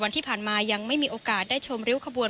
ที่ผ่านมายังไม่มีโอกาสได้ชมริ้วขบวน